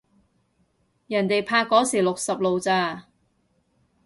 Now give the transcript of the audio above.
人哋拍嗰時六十路咋